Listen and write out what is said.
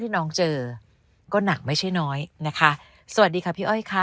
น้องเจอก็หนักไม่ใช่น้อยนะคะสวัสดีค่ะพี่อ้อยค่ะ